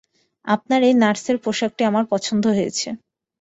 আপনার এই নার্সের পোশাক টি আমার পছন্দ হয়েছে।